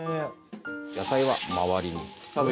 野菜は周りに。